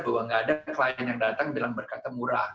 bahwa nggak ada klien yang datang bilang berkata murah